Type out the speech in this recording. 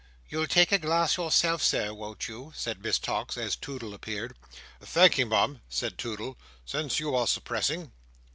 "You'll take a glass yourself, Sir, won't you?" said Miss Tox, as Toodle appeared. "Thankee, Mum," said Toodle, "since you are suppressing."